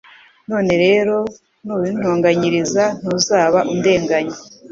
None rero nubintonganyiriza ntuzaba undenganya